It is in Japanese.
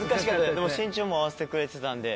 でも身長も合わせてくれてたんで。